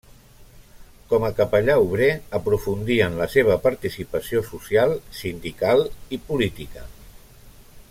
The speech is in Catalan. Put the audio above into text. Com a capellà obrer, aprofundí en la seva participació social, sindical i política.